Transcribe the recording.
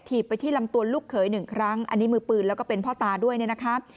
ไปที่ลำตัวลูกเขยหนึ่งครั้งอันนี้มือปืนแล้วก็เป็นพ่อตาด้วยเนี่ยนะคะ